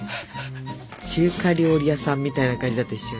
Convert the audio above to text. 中華料理屋さんみたいな感じだったでしょ。